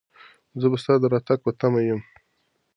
زه به ستا د راتګ په تمه یم.